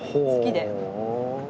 好きで。